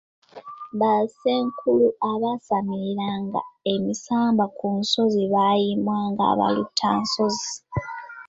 Bassenkulu abaasamiriranga emisambwa ku nsozi baayibwanga abaluutansozi.